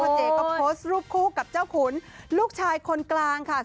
เจก็โพสต์รูปคู่กับเจ้าขุนลูกชายคนกลางค่ะ